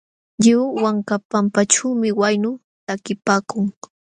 Lliw wanka pampaćhuumi waynu takipaakun.